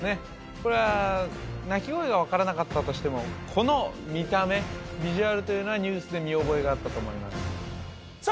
これは鳴き声が分からなかったとしてもこの見た目ビジュアルというのはニュースで見覚えがあったと思いますさあ